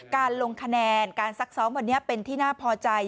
การลงคะแนนการซักซ้อมวันนี้เป็นที่น่าพอใจ